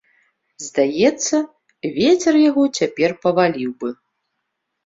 Здаецца, вецер яго цяпер паваліў бы.